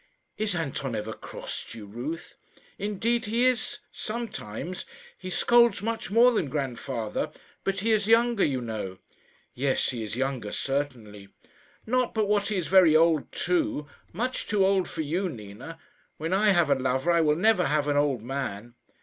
"Is Anton ever cross to you, Ruth?" "Indeed he is sometimes. He scolds much more than grandfather. But he is younger, you know." "Yes; he is younger, certainly." "Not but what he is very old, too; much too old for you, Nina. When I have a lover I will never have an old man."